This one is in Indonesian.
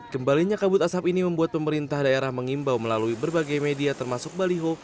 kembalinya kabut asap ini membuat pemerintah daerah mengimbau melalui berbagai media termasuk baliho